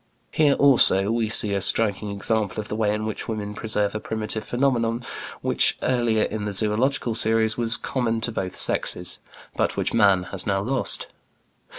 Here, also, we see a striking example of the way in which women preserve a primitive phenomenon which earlier in the zoölogical series was common to both sexes, but which man has now lost.